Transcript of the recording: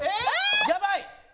やばい！